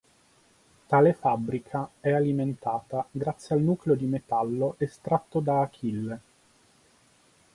Tale fabbrica è alimentata grazie al nucleo di metallo estratto da Achille.